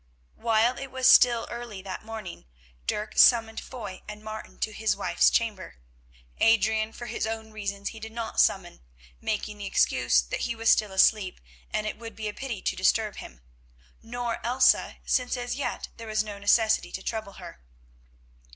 While it was still early that morning Dirk summoned Foy and Martin to his wife's chamber. Adrian for his own reasons he did not summon, making the excuse that he was still asleep, and it would be a pity to disturb him; nor Elsa, since as yet there was no necessity to trouble her.